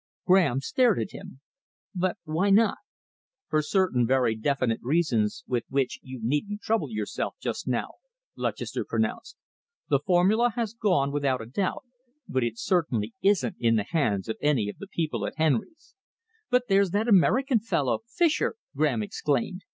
Graham stared at him. "But why not?" "For certain very definite reasons with which you needn't trouble yourself just now," Lutchester pronounced. "The formula has gone, without a doubt, but it certainly isn't in the hands of any of the people at Henry's." "But there's that American fellow Fischer!" Graham exclaimed.